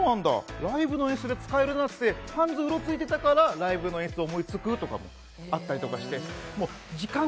ライブの演出で使えるなっつって、ハンズをうろついてたからライブの演出を思いつくこともあったりして。